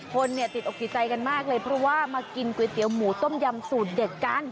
คนเนี่ยติดอกติดใจกันมากเลยเพราะว่ามากินก๋วยเตี๋ยวหมูต้มยำสูตรเด็ดกัน